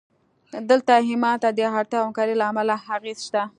دلته ایمان ته د اړتیا او همکارۍ له امله اغېز شته